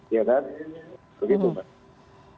ya kan begitu